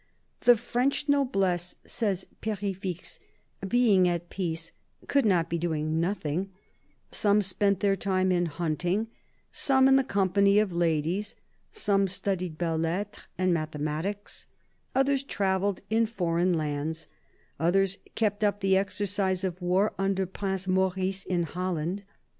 " The French noblesse," says Perefixe, " being at peace, could not be doing nothing; some spent their time in hunting ; some in the company of ladies ; some studied belles lettres and mathematics ; others travelled in foreign lands ; others kept up the exercise of war under Prince Maurice in Holland.